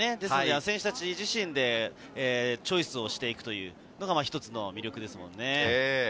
選手たち自身でチョイスをしていくというのが、一つの魅力ですもんね。